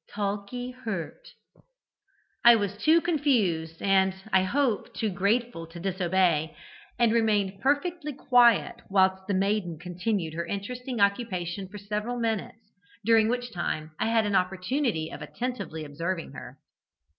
Talkee hurt.' "I was too confused and, I hope, too grateful to disobey, and remained perfectly quiet whilst the maiden continued her interesting occupation for several minutes, during which time I had an opportunity of attentively observing her.